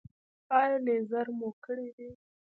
ایا لیزر مو کړی دی؟